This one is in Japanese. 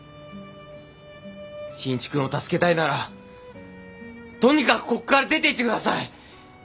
信一君を助けたいならとにかくここから出て行ってください。